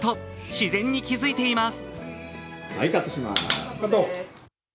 自然に気づいています。